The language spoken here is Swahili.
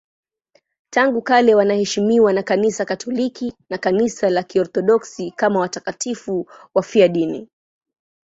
Tangu kale wanaheshimiwa na Kanisa Katoliki na Kanisa la Kiorthodoksi kama watakatifu wafiadini.